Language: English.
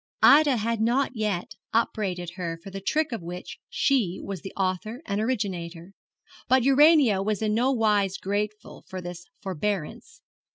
Ida had not yet upbraided her for the trick of which she was the author and originator, but Urania was in no wise grateful for this forbearance.